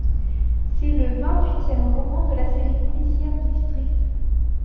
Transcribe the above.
C’est le vingt-huitième roman de la série policière du District.